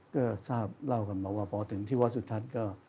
ก็ราวกันมาว่าพอถึงที่วัดสุธรรมก็